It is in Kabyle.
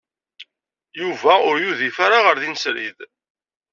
Yuba ur yudif ara ɣer din srid.